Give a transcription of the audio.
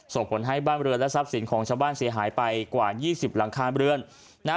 ส่งผลให้บ้านเรือนและทรัพย์สินของชาวบ้านเสียหายไปกว่า๒๐หลังคาเรือนนะฮะ